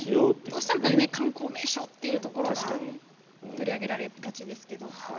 どうしても観光名所というところが取り上げられがちですが。